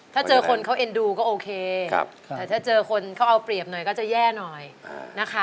ถ้าเจอคนเขาเอ็นดูก็โอเคแต่ถ้าเจอคนเขาเอาเปรียบหน่อยก็จะแย่หน่อยนะคะ